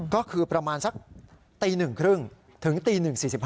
ก็คือประมาณสักตี๑๓๐ถึงตี๑๔๕